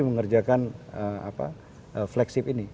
mengerjakan flagship ini